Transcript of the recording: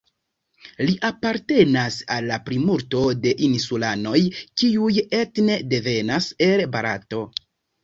Li apartenas al la plimulto de insulanoj, kiuj etne devenas el Barato.